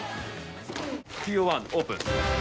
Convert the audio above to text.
Ｔ０１オープン。